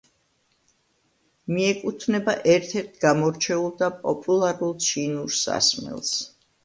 მიეკუთვნება ერთ-ერთ გამორჩეულ და პოპულარულ ჩინურ სასმელს.